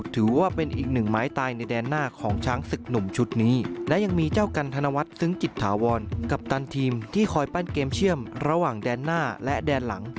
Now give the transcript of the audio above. ถือว่าเป็นอีกหนึ่งไม้ตายในแดนหน้าของช้างศึกหนุ่มชุดนี้และยังมีเจ้ากันธนวัฒน์ซึ้งจิตถาวรกัปตันทีมที่คอยปั้นเกมเชื่อมระหว่างแดนหน้าและแดนหลัง